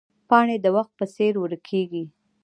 پاڼې د وخت په څېر ورکېږي